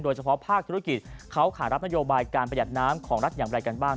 เฉพาะภาคธุรกิจเขาขารับนโยบายการประหยัดน้ำของรัฐอย่างไรกันบ้าง